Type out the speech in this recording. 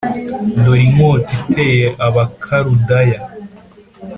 Dore inkota iteye Abakaludaya